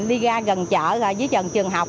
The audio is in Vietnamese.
đi ra gần chợ dưới dần trường học